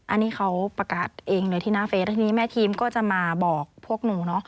อันนี้เขาประกาศเองเลยที่หน้าเฟสแล้วทีนี้แม่ทีมก็จะมาบอกพวกหนูเนอะ